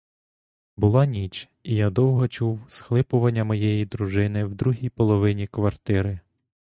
Була ніч, і я довго чув схлипування моєї дружини в другій половині квартири.